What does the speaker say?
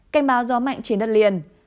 cảnh báo gió mạnh trên đất liền